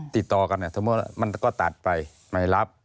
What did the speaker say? ติดต่อกันมันก็ตัดไปไม่รับ